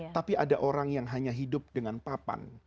tapi ada orang yang hanya hidup dengan papan